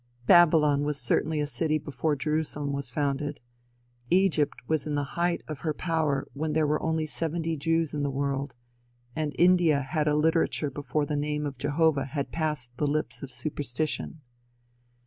Babylon was certainly a city before Jerusalem was founded. Egypt was in the height of her power when there were only seventy Jews in the world, and India had a literature before the name of Jehovah had passed the lips of superstition.